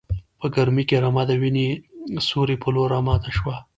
په ګرمۍ کې رمه د وینې سیوري په لور راماته شوه.